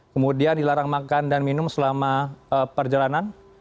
kemudian dilarang makan dan minum selama perjalanan